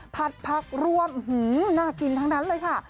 ผัดผักร่วมน่ากินทั้งนั้นเลยค่ะ